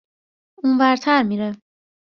اون ورتر میره